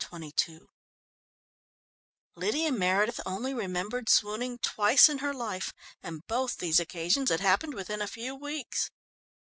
Chapter XXII Lydia Meredith only remembered swooning twice in her life, and both these occasions had happened within a few weeks.